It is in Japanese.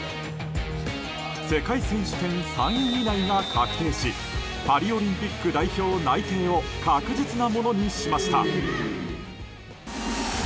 世界選手権３位以内が確定しパリオリンピック代表内定を確実なものにしました。